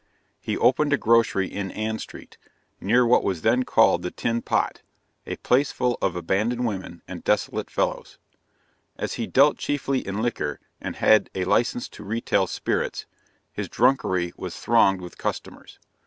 He opened a grocery in Ann Street, near what was then called the Tin Pot, a place full of abandoned women and dissolute fellows. As he dealt chiefly in liquor, and had a "License to retail Spirits," his drunkery was thronged with customers.